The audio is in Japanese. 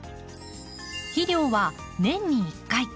肥料は年に１回。